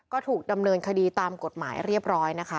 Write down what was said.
ก็ถูกดำเนินคดีตามกฎหมายเรียบร้อยนะคะ